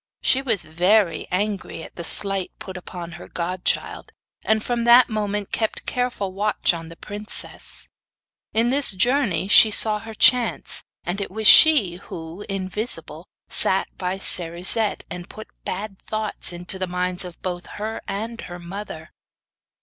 She was very angry at the slight put upon her godchild, and from that moment kept careful watch on the princess. In this journey she saw her chance, and it was she who, invisible, sat by Cerisette, and put bad thoughts into the minds of both her and her mother.